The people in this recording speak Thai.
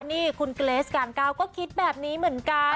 นี่คุณเกรสการก้าวก็คิดแบบนี้เหมือนกัน